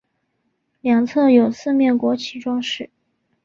两侧有四面国旗装饰。